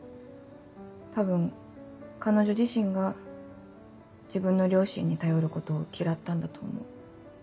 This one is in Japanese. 多分彼女自身が自分の両親に頼ることを嫌ったんだと思う。